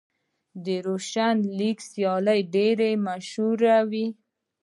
د روشن لیګ سیالۍ ډېرې مشهورې وې.